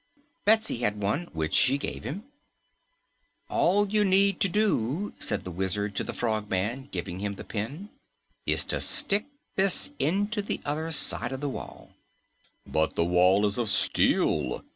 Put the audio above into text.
Betsy had one, which she gave him. "All you need do," said the Wizard to the Frogman, giving him the pin, "is to stick this into the other side of the wall." "But the wall is of steel!"